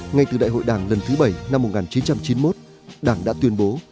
ngay từ đại hội đảng lần thứ bảy năm một nghìn chín trăm chín mươi một đảng đã tuyên bố